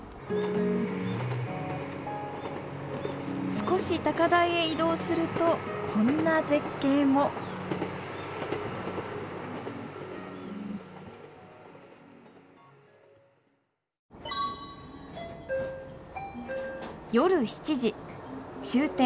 少し高台へ移動するとこんな絶景も夜７時終点